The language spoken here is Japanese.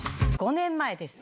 ５年前です。